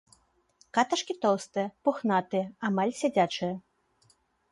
Каташкі тоўстыя, пухнатыя, амаль сядзячыя.